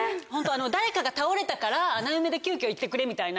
誰かが倒れたから穴埋めで急きょ行ってくれみたいな。